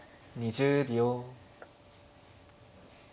２０秒。